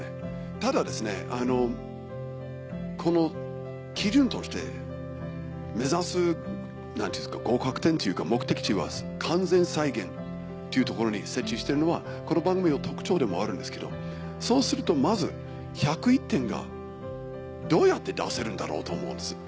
ただこの基準として目指す合格点というか目的地は「完全再現」というところに設置してるのはこの番組の特徴でもあるんですけどそうするとまず１０１点がどうやって出せるんだろうと思うんです。